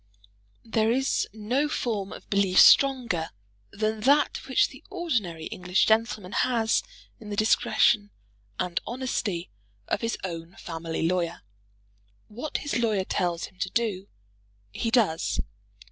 There is no form of belief stronger than that which the ordinary English gentleman has in the discretion and honesty of his own family lawyer. What his lawyer tells him to do, he does.